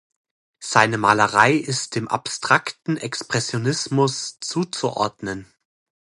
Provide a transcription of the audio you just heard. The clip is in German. Seine Malerei ist dem Abstrakten Expressionismus zuzuordnen.